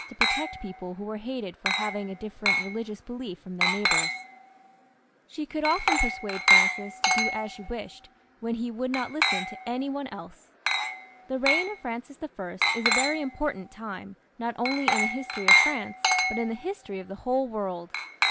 to protect people who were hated for having a different religious belief from their neighbours. She could often persuade Francis to <.. xxxivj FRANCfS L 237 do as she wished, when he would not listen to Jiny one else. The reign of Francis I. is a very important time, not only in the history of France, but in the history of the whole world.